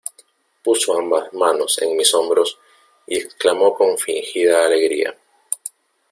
puso ambas manos en mis hombros y exclamó con fingida alegría: